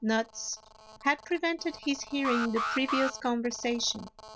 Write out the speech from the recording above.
nuts had prevented his hearing the previous con versation.